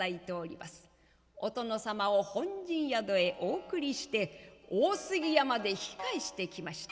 お殿様を本陣宿へお送りして大杉屋まで引き返してきました。